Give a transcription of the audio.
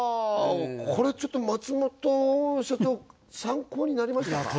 これちょっと松本社長参考になりましたか？